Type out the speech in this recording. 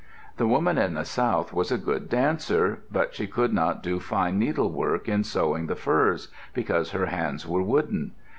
The woman in the south was a good dancer; but she could not do fine needlework in sewing the furs, because her hands were wooden.